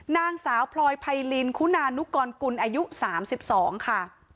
นางสาวพลอยไพรินคุณานุกรกุลอายุ๓๒ค่ะ